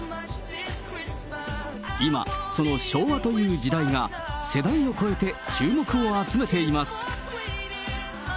今、その昭和という時代が、世代を超えて注目を集めています。